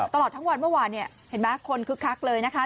ตลอดทั้งวันเมื่อวานเนี่ยเห็นไหมคนคึกคักเลยนะคะ